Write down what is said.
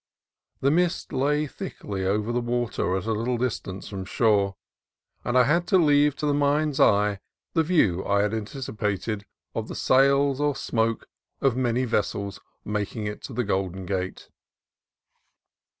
The mist lay thickly over the water at a little dis tance from shore, and I had to leave to the mind's eye the view I had anticipated, of the sails or smoke of many vessels making to the Golden Gate.